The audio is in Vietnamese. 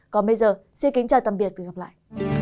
còn bây giờ xin kính chào tạm biệt và hẹn gặp lại